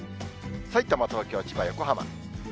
さいたま、東京、千葉、横浜。